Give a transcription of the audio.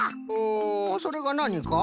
んそれがなにか？